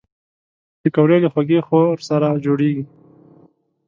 پکورې له خوږې خور سره جوړېږي